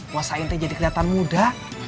bos sain teh jadi kelihatan muda